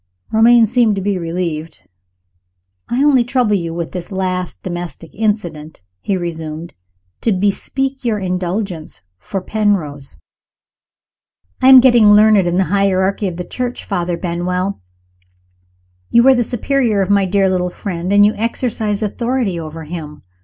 Romayne seemed to be relieved. "I only troubled you with this last domestic incident," he resumed, "to bespeak your indulgence for Penrose. I am getting learned in the hierarchy of the Church, Father Benwell! You are the superior of my dear little friend, and you exercise authority over him.